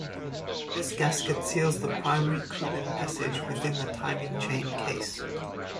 This gasket seals the primary coolant passage within the timing chain case.